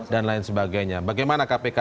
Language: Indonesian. dan lain sebagainya bagaimana kpk